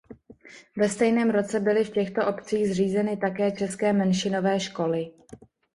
Ve stejném roce byly v těchto obcích zřízeny také české menšinové školy.